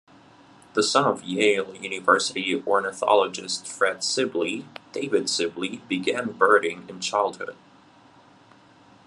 The son of Yale University ornithologist Fred Sibley, David Sibley began birding in childhood.